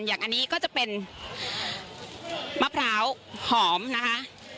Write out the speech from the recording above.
อย่างอันนี้ก็จะเป็นมะพร้าวหอมนะคะ